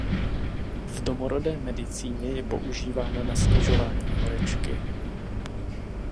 V domorodé medicíně je používána na snižování horečky.